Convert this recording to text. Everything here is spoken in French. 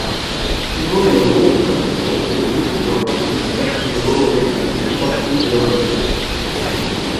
Suivant une longue tradition, les étudiants participent activement aux activités sportives et aux loisirs.